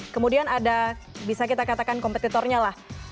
kemudian ada bisa kita katakan kompetitornya lah